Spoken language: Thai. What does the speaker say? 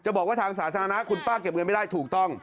บอกว่าทางสาธารณะคุณป้าเก็บเงินไม่ได้ถูกต้อง